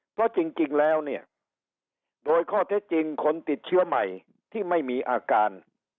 เพราะจริงแล้วเนี่ยโดยข้อเท็จจริงคนติดเชื้อใหม่ที่ไม่มีอาการ